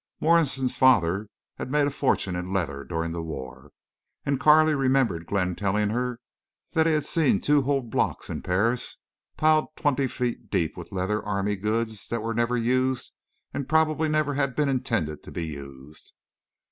Morrison's father had made a fortune in leather during the war. And Carley remembered Glenn telling her he had seen two whole blocks in Paris piled twenty feet deep with leather army goods that were never used and probably had never been intended to be used.